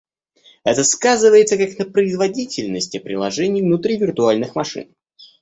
Это сказывается как на производительности приложений внутри виртуальных машин